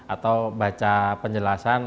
atau baca penjelasan